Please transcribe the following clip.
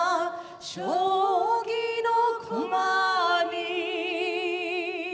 「将棋の駒に」